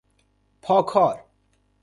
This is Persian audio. پا کار